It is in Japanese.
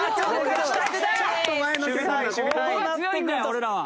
俺らは。